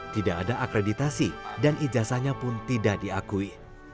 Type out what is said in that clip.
tidak ada akreditasi dan ijazahnya pun tidak diakui